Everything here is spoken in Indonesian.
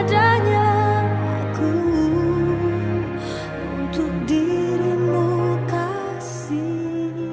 hanya aku untuk dirimu kasih